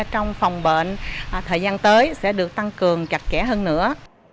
trong phòng bệnh thời gian tới sẽ được tăng cường chặt kẽ hơn nữa